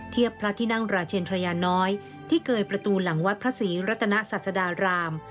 พระที่นั่งราชเชนทรยาน้อยที่เกยประตูหลังวัดพระศรีรัตนศาสดาราม